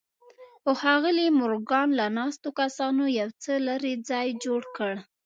خو ښاغلي مورګان له ناستو کسانو یو څه لرې ځای جوړ کړ